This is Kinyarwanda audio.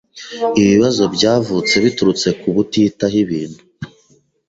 Ibi bibazo byavutse biturutse kubutitaho ibintu.